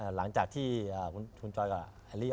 หลังจากที่คุณจอยกับแฮรี่